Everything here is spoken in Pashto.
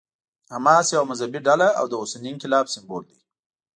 حماس یوه مذهبي ډله او د اوسني انقلاب سمبول دی.